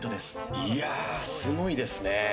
いや、すごいですね。